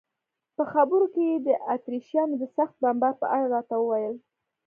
په خبرو کې یې د اتریشیانو د سخت بمبار په اړه راته وویل.